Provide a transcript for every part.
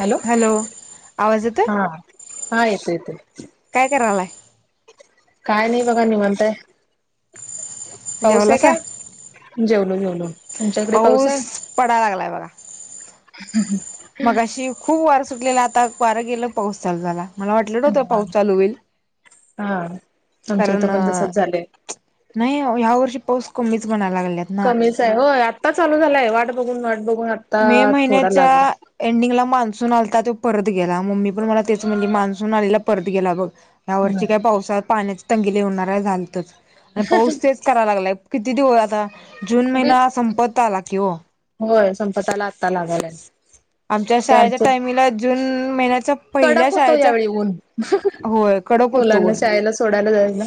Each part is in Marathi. हॅलो आवाज येतोय हा हा ययेत ययेत काय करायलाय काय नाही बघा नि म्हनताय पाऊस आहे जेवलासा का जेवलो जेवलो तुमच्याकडे पाऊस आहे मग अशी खूप वार सुटलेला आता वारं गेलं पाऊस चालू झाला मला वाटलं नव्हत हा पाऊस चालू होईल हा आमच्या कारण इथं पण तसच झालंय नाही ह्या वर्षी पाऊस कमीच म्हणायला लागलेत ना कमीच होय आत्ता चालू झालाय वाट बघून वाट बघून मे थोडा महिन्याच्या लागला एंडिंगला मान्सून आता तो परत गेला मम्मी पण मला तेच म्हणली मान्सून आलेला परत गेला बघ या वर्षी काय पावसात पाण्याचे तंगिले होणार आहे झालतच आणि पाऊस तेच करा लागलाय किती हो आता जून महिना उगीच संपत् आला की हो होय संपताला आत्ता लागायलाच आमच्या शाळेच्या टाइमिंगला जून महिन्याचा कडक होतो यावेळी ऊन होय कडक होतो मुलांना ऊन शाळेला सोडायला जा ना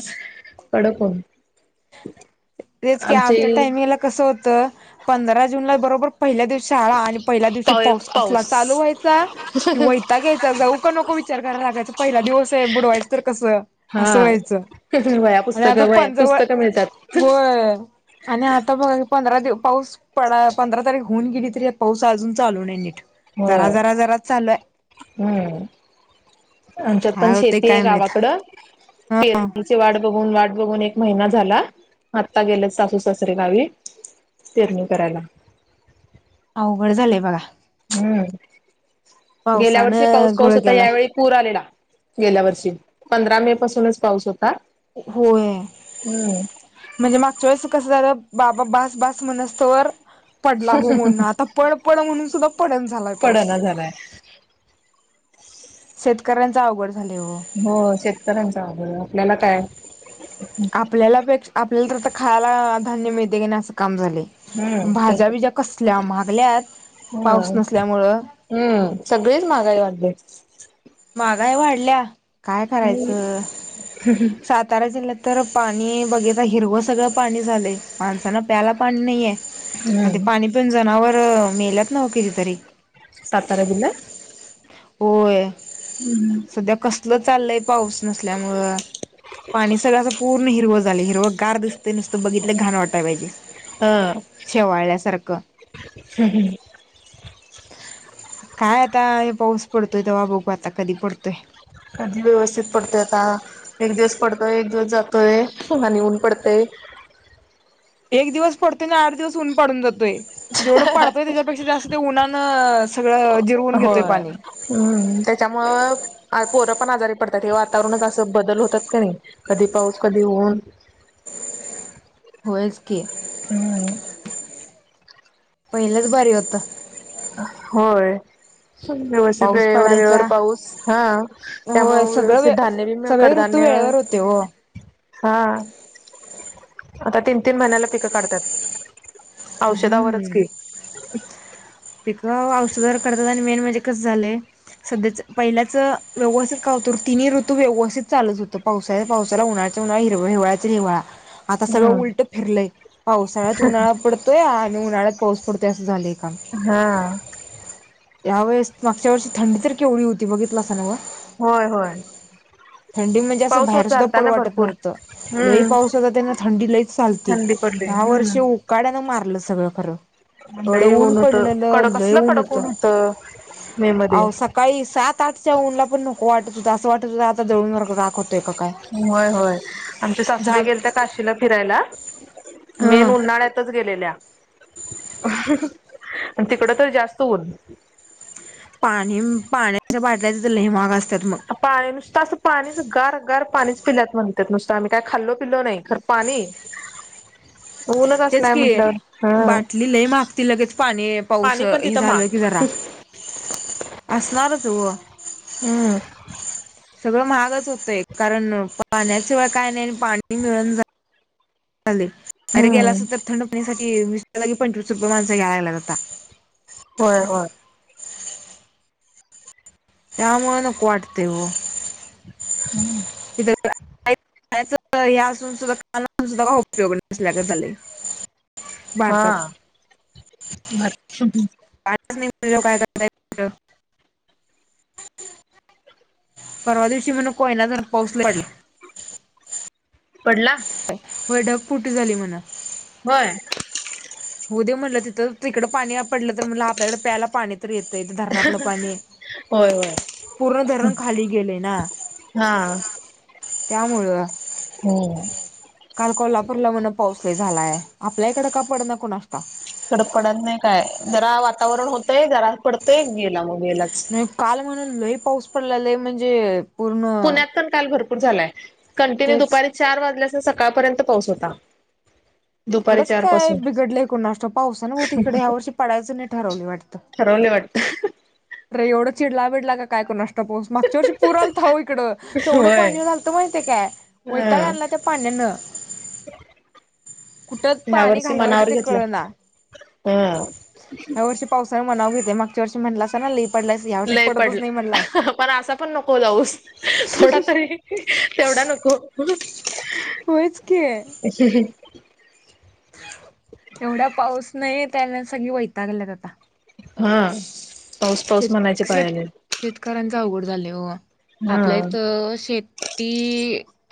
कडक तेच की आमचे आमच्या टाइमिंगला कसं होतं पंधरा जूनला बरोबर पहिल्या दिवस शाळा आणि पहिल्या दिवशी पाऊस असला चालू व्हायचा कि वता घ्यायचा जाऊ का नको विचार करायला लागायचं पहिला दिवस आहे बुडवायचं तर कसं असं व्हायचं वया आणि आता पुस्तकं व पंजवळ पुस्तकं मिळतात होय आणि आता बघा पंधरा दिव पाऊस प पंधरा तारीख होऊन गेली तरी पाऊस अजून चालू नाही नीट हो जरा जरा जरा चालू आहे हम्म आच्यार पण काय होतय शेती आहे काय माहित गावाकड पेरणी वाट बघून वाट बघून एक महिना झाला आत्ता गेलं सासू सासरे गावी तेरणी करायला अवघड झालंय बघा हम्म गेल्या वर्षी पावसानं पाऊस पाऊस घोळ होता केलाय. यावेळी पूर आलेला गेल्या वर्षी पंधरा मे पासूनच पाऊस होता होय हम्म म्हणजे मागच्या वळेस कसं झालं बाबा बास बास मनस्तोवर पडला हो म्हणून आता पड पड म्हणून सुद्धा पडण झालाय पाऊस झालंय शेतकऱ्यांचा अवघड झाले हो हो शेतकऱ्यांचा अवघड हाय आपल्याला काय आपल्याला पेक्षा आपल्याला तर खायला धान्य मिळते के नाही असं काम झाले हम्म त्यांच भाज्याबिज्या कसल्या मागल्यात पाऊस हम्म नसल्यामुळं हम्म सगळेच महागाई वाटली मागाय वाढल्या काय करायचं सात सातारा जिल्ह्यात तर पाणी बघितलं हिरवं सगळं पाणी झालंय माणसाना प्यायला पाणी नाहीये आणि ते हम्म पाणी पिऊन जनावर मेल्यात नव कितीतरी सातार बला होय सध्या कसल चाललय पाऊस नसल्यामुळं पाणी सगळ्याचं पूर्ण हिरवं झाले हिरवं गार दिसते नसतं बघितलं घाण वाटाय पाहिजे हां शेवाळ्यासारखं ह काय आता हे पाऊस पडतोय दवा बघू आता कधी पडतोय कधी व्यवस्थित पडतोय आता एक दिवस पडतोय एक दिवस जातोय आणि ऊन पडतय एक दिवस पडतो ना आठ दिवस ऊन पडून जातो जेवढं पाडतोय त्याच्यापेक्षा जास्त ते उन्हान सगळं जिरवून घेतोय होय पाणी हम्म त्याच्यामुळं पोरं पण आजारी पडतात हे वातावरणच असं बदल होतात का नाही कधी पाऊस कधी ऊन होईल की हम्म पहिल्याच भारी होतं होय व्यवस्थित पाऊस वेळेवर वेळेवर पडायचा पाऊस हा होय त्यामुळे सगळं व्यवस्थित वे धान्य बी म सगळे ऋतू कडधान्य वेळेवर होते हो हा आता तीन तीन महिन्याला पिकं काढतात हम्म ह पिक औषधर करतात आणि मेन म्हणजे कस झालेय सध्याचं पहिल्याचं व्यवस्थित काय होतंऋ तिन्ही ऋतू व्यवस्थित चालत होतं पावसा पावसाला उन्हाचचा उन्हा हर हिवाळाचा हिवाळा आता सगळं हम्म उलट फिरलंय पावसाळ्यात उन्हाळा पडत आणि उन्हाळ्यात पाऊस पडते असं झालेय का हा या वेळेस मागच्या वर्षी थंडी तरी केवढी होती बघितलासा ना ग होय होय थंडी म्हणजे असं पाऊस होत बाहेर सुद्धा चालता पड ना वाटत भरपूर नव्हतं लई हम्म पाऊसता त्यांना थंडी लयच चालते थंडी पडली ह्या वर्ष हम्म काड्यानं मारलं सगळं खरं एवढं लई ऊन होत पडलंलं कडक लय कसलं ऊन कडक होतं मे मध्ये सकाळी सात ताटच्या ऊनला प नको वाटत होत असं वाटत आता जळून मारग कााखत होय होय आमच्या सासूबाई झाल गेले त्या काशीला फिरायला मेन हं उन्हाळ्यातच गेलेल्या आणि तिकडं तर जास्त ऊन पाणी पाण्याच्या बाटल्या तिथ ल माग असतात मग पाणी नुसतं असं पाणीच गार गार पाणीच पिल्यात म्हणतात नुसतं आम्ही काय खाल्लो पिलो नाही खर पाणी [inaudible] तेच असलाय की म्हटल्यावर हा बाटली लई मागतील लगेच पाणी पाऊस पाणी पण हे तिथं झालं महाग की जरा अससणारच हो हम सगळं महागच होतंय कारण पाण्या सिवाय काय नाही पाणी मिळून झा चाल अरे गेला अस हम्म तर थंडपण्यासाठी विशलागी पंचवीस रुपये माणसा घ्यायला लागला जातता होय हो या मळन क वाटतेव हम् इथ असून सुध काना सुधा का उपयोग नसल्या झाले हा बर नाही काय करताय परवा दिवशी म्हण कोयना जर पाऊसलाला पडला व ढप पुूट झाली म्हून होय होद्या म्हटलं तिथं तिकडे पाणी पडलं तर म्हटलं आपल्याकडे प्यायला पाणी येतथ धरणातलं पाणी होय होय पूर्ण धरण खाली गेलं ना हा त्यामुळं हम्म काल कोल्हापूरला म्हण पाऊसला झालाय आपल्या इकड का पड न कोण असता खडपडत नाही काय जरा वातावरण होतंय जरा पडतंय गेला मग गेलाच आणि काल म्हणून लही पाऊस पडलेलाय म्हणजे पूर्ण पुण्यात पण काल भरपूर झालाय कंटिन्यू तेच दुपारी चार वाजल्यास सकाळपर्यंत पाऊस होता दुपारी इकडच चार काय पासून बिघडलं एकोणनाष्ट पावसान होत तिकडे ह्या वर्षी पडयचं नाही ठरवले वाटत ठरवणे वाटत तर एवढं चिडला विडला काय करण नष्टोस मागच्या ववर पुराल थाव इकडं तेवढं होय. पाणी घालतं माहििते काय होैता का ह आणला त्या पाण्यान कुठ ह्या पाणी वर्षी घालवायचं मनावर ते घेतलं कळ ना ह ह वर्षी पावसान मनाव घेते मागच्या वर्ष म्हटलं अससा ना लि पडलास या वर्ी लय पडतच पडलं. नाही म्हटलाय पण असा पण नको जाऊस थोडा तरी तेवढा नको होच के अ एवढा पाऊस नाही त्याला सगळी वैता गेल्यात आता हा पाऊस पाऊस शेत म्हणायचे पाळी शेत आले शेतकऱ्यांच अवघड झाले हो हा आपल्याथ शेत ती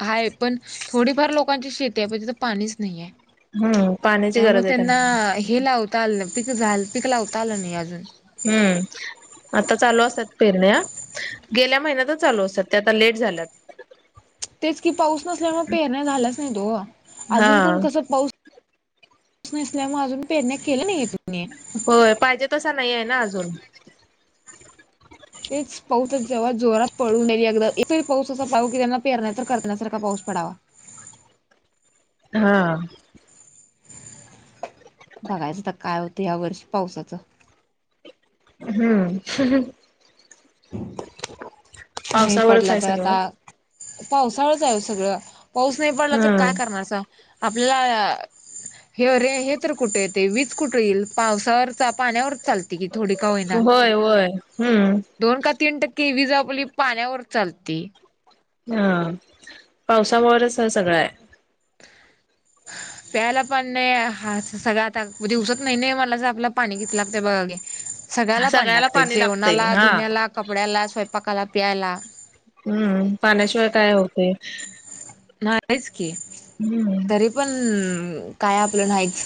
हाय पण थोडीफार लोकांची शेती आहे पण तिथ पाणीच नाहीय हम्म पाणी त्यामुळे त्यांना हे लावता आलं पीक झाल पीक लावता आलं नाही अजून हम्म आता चालू असतात पेरणे गेल्या महिन्यातच चालू असत ते आता लेट झाल्यात तेच की पाऊस नसल्यामुळे पेरण्या झालाच नाही तो हा अजून पण कस पाऊस नसल्यामुळे अजून पेरण्या केलं नाही तुमने होय पाहिजे तसा नाही आहे ना अजून एक पाऊस जेव्हा जोरात पळूनेली अगदा एकरी पाऊसा असचा पा भाू की त्यांना पेरण्या तर करण्यासारखा पाऊस पडावा हा बघायचं तर काय होत त्यावर्षी पावसाचं हम्म नाही पावसावरच पडला आहे तर सगळं आता पावसाळच आहे सगळं पाऊस नाही पडला हा तर काय करणार अस आपल्याला हे अरे हे तर कुठे येते वीज कुठे येईल पावसावर पाण्यावर चालत होय होय हम्म दोन का तीन टक्के विज आपली पाण्यावरच चालते हा पावसावरच सगळं आहे प्यायला पण नाही हात सगळ आता दिवसांत नाही नाही म्हणलासा आपल पाणी किती लागतय बघा की सगळ्याला पाणी लागते जेवणाला धुण्याला कपड्याला, स्वयंपाकाला, पियायला हम्म पाण्याशिवाय काय होतय नाहीच की हम्म. तरी पण काय आपलं नाहीते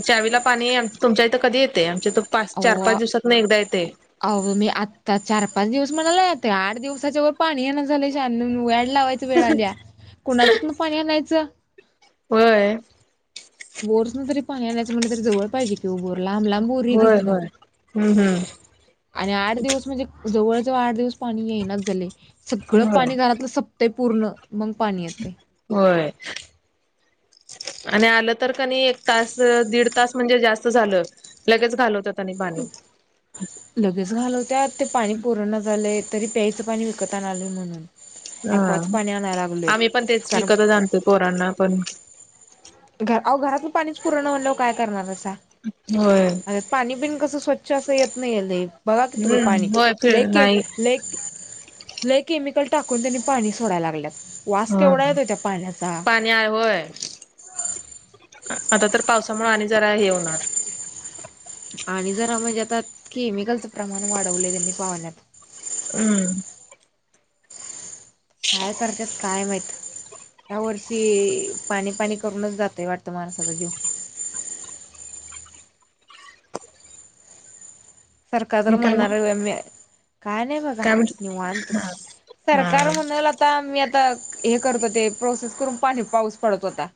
चावीला पाणी तुमच्या इथं कधी येते आमच्या त पाच, चार, पाच अहो दिवसात न एकदा येते. अहो मी आता चार-पाच दिवस म्हणाला ते आठ दिवसाच्या वर पाणी ये ना झालं शान्यानु लावायच वेळ आल्या कोणाच्यातून पाणी आणायच होय. बोरच तरी पाणी आणायच म्हणलं तरी जवळ पाहिजे कि बोर लांब लांब बोरी आहेत होय इथनं होय हम्म हम्म आणि आठ दिवस म्हणजे जवळजवळ आठ दिवस पाणी येनाच झाले सगळं होय पाणी घरातल संप ते पूर्ण मग पाणी येत. होय. आणि आलं तर कनी एक तास दीड तास म्हणजे जास्त झाल. लगेच घालवत्यात आणि पाणी लगेच घालवत्यात ते पाणी पूरणा झालंय तरी प्यायचं पाणी विकत आणालोय म्हणून हा ॲक्वाचं पाणी आणायला लागलोय आम्ही पण तेच कारण विकतच आणतोय पोरांना पण का अहो घरातलं पाणीच पुरणा म्हणल्यावर काय करणार आहेसा? होय. पाणी बिन कस स्वच्छ अस येत नाहीय लय बघा की तुम्ही पाणी हम्म होय फिर लयकेमि नाही लयकेमि लय केमिकल टाकून त्यांनी पाणी सोडायला लागल्यात वास केवढा येतोय त्या पाण्याचा? आ होय. आता तर पावसामुळे आणि जरा हे होणार आणि जरा म्हणजे आता केमिकलचं प्रमाण वाढवले त्यांनी पाण्यात हम्म. काय करत्यात काय माहित? या वर्षी पाणी, पाणी करूनच जातय वाटतं माणसाचा जीव सरकार तर काय म्हणणार मग आहे होय. काय नाही बघा काय म्हणत निवांतच हा सरकार म्हणाल आता आता मी आता हे करत होते प्रोसेस करून पाणी पाऊस पडत होता.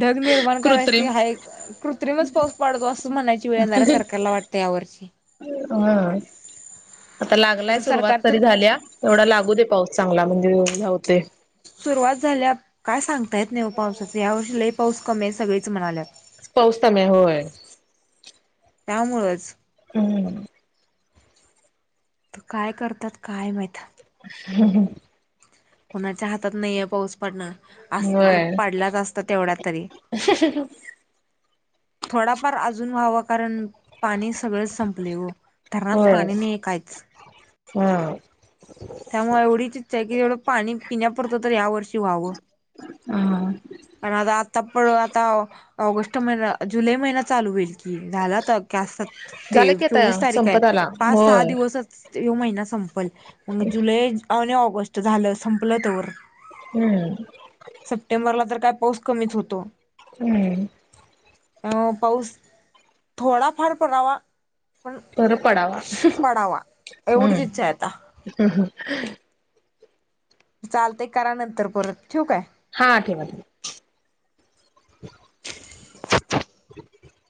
ढग निर्माण कृत्रिम करायचं हाय कृत्रिमच पाऊस पडतो असं म्हणायची वेळ येणार सरकारला वाटतंय यावर्षी हा आता लागलाय पण सुरुवात सरकारच तरी झाल्या तेवढा लागू दे पाऊस चांगला म्हणजे जा होतंय. सुरुवात झाल्या काय सांगता येत नाहीे ओ पावसाच यावर्षी लय पाऊस कमी आहे सगळीच म्हणाल्यात पाऊस कमी आहे होय. त्यामुळंच हम्म. त काय करतात काय माहीता हम्म हम्म. कोणाच्या हातात नाहीये पाऊस पडण अस तर होय पडलाच असत तेवढ्या तरी थोडाफार अजून व्हावा कारण पाणी सगळें संपले हो धरणात पाणी नाही कायच. हम्म.. त्यामुळे एवढीच इच्छा आहे की एवढ पाणी पिण्या पुरता तरी ह्या वर्षी व्हावं हा. पण आता आता पण आता ऑगस्ट महिना जुलै महिना चालू होईल की झाला चालू. ते झालं की आता चोवीस तारीख आहे संपत आला पाच, सहा होय दिवस ह महिना संपल मग जुलै आणि ऑगस्ट झालं सपलं तवर हम्म. सप्टेंबरला तर काय पाऊस कमीच होतो. हम्म. अ पाऊस थोडा फार परावा पण बरं पडावा पडावा एवढीच हम्म. इच्छा आहे आता चालत करा नंतर परत ठेवक आहे. हा ठेवा ठे